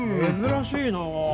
珍しいなあ。